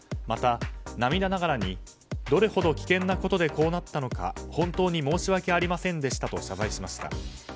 また、涙ながらにどれほど危険なことでこうなったのか本当に申し訳ありませんでしたと謝罪しました。